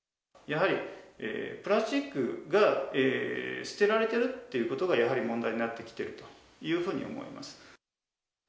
やはりプラスチックが捨てられているっていうことが、やはり問題になってきているというふうに思います。